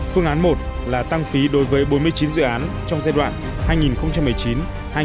phương án một là tăng phí đối với bốn mươi chín dự án trong giai đoạn hai nghìn một mươi chín hai nghìn hai mươi